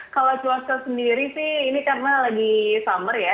kalau cuaca sendiri sih ini karena lagi summer ya